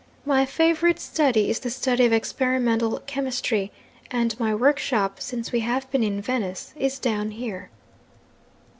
My favourite study is the study of experimental chemistry and my workshop, since we have been in Venice, is down here."